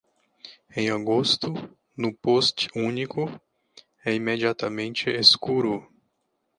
Em agosto, no post único, é imediatamente escuro.